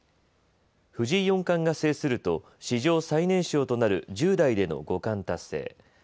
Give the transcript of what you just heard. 藤井四冠が制すると史上最年少となる１０代での五冠達成。